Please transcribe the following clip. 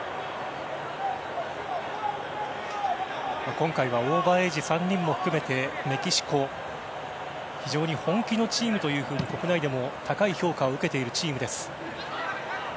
今回はオーバーエージ３人も含めてメキシコ非常に本気のチームというふうに国内でも高い評価を受けているチームです。